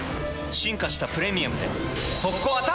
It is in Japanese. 進化した「プレミアム」で速攻アタック！